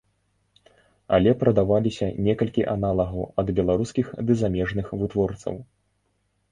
Але прадаваліся некалькі аналагаў ад беларускіх ды замежных вытворцаў.